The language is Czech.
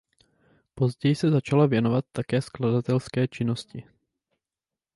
Později se začala věnovat také skladatelské činnosti.